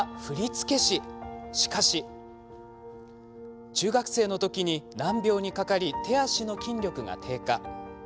しかし。中学生のときに難病にかかり手足の筋力が低下。